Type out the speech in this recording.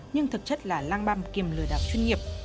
nhưng thực chất là lang bam kiềm lừa đảo chuyên nghiệp